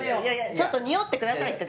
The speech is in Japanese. ちょっとにおってくださいって。